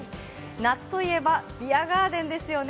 夏といえばビアガーデンですよね。